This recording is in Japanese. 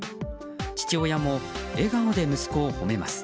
父親も笑顔で息子を褒めます。